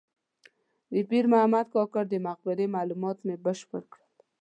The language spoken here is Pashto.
د پیر محمد کاکړ د مقبرې معلومات مې بشپړ کړل.